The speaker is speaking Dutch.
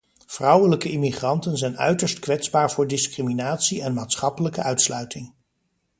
Vrouwelijke immigranten zijn uiterst kwetsbaar voor discriminatie en maatschappelijke uitsluiting.